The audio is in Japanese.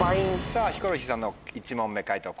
さぁヒコロヒーさんの１問目解答